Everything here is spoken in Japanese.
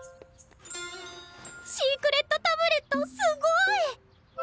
シークレットタブレットすごい！